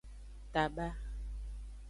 Taba.